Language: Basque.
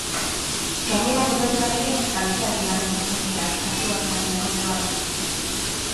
Gainerako geletan ere kalteak eragin zituen keak eta suak eragindako beroak.